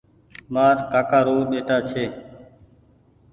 مآر ڪآڪآ رو ٻيٽآ ڇي۔